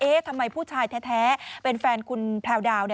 ทำไมผู้ชายแท้เป็นแฟนคุณแพลวดาว